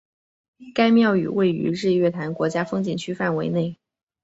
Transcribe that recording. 该庙宇位于日月潭国家风景区范围内。